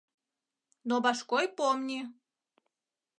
Но башкой помни!